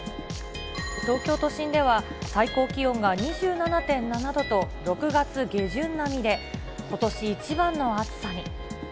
東京都心では最高気温が２７．７度と、６月下旬並みで、ことし一番の暑さに。